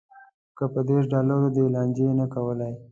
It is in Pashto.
که په دېرش ډالرو دې لانجې نه کولی.